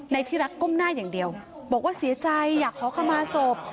ที่รักก้มหน้าอย่างเดียวบอกว่าเสียใจอยากขอขมาศพ